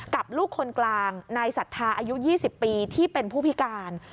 กับลูกคนกลางนายศรัทธาอายุ๒๐ปีที่เป็นผู้พิการ